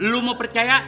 lu mau percaya